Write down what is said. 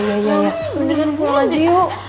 mendingan pulang aja yuk